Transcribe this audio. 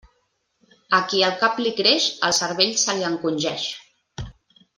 A qui el cap li creix, el cervell se li encongeix.